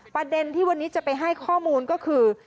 ประเด็นที่วันนี้จะไปให้ข้อมูลก็คือ